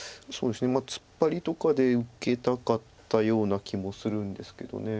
ツッパリとかで受けたかったような気もするんですけど。